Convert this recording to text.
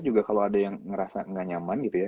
juga kalo ada yang ngerasa gak nyaman gitu ya